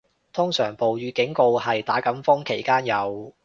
通常暴雨警告係打緊風期間有